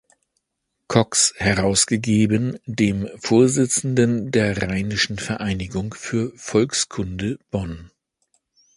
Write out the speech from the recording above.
Cox herausgegeben, dem Vorsitzenden der Rheinischen Vereinigung für Volkskunde Bonn.